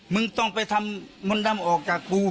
มึงต้องไปทำมนตำกับกู